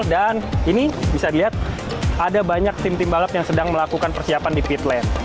dan ini bisa dilihat ada banyak tim tim balap yang sedang melakukan persiapan di pit lane